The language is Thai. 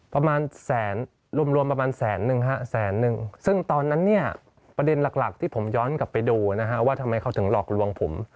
ประมาณแสนรวมประมาณแสนนึงฮะแสนนึงซึ่งตอนนั้นเนี่ยประเด็นหลักที่ผมย้อนกลับไปดูนะฮะว่าทำไมเขาถึงหลอกลวงผม